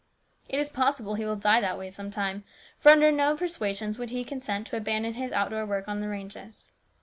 It is possible he will die that way some time, for under no persuasions would he consent to abandon his outdoor work on the ranges.